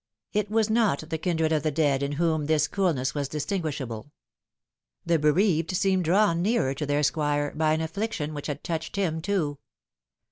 It was not the kindred of the dead in whom this coolness was distinguishable. The bereaved seemed drawn nearer to their Squire by an affliction which had touched him too.